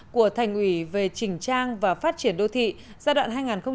của thành ủy về chỉnh trang và phát triển đô thị giai đoạn hai nghìn một mươi sáu hai nghìn hai mươi